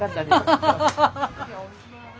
ハハハハッ！